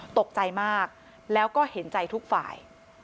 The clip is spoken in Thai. ตกใจมากแล้วก็เห็นใจทุกฝ่าย